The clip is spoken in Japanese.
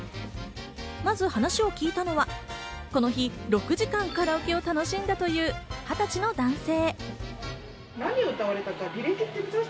まず話を聞いたのは、この日、６時間カラオケを楽しんだという二十歳の男性。